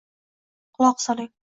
Quloq soling!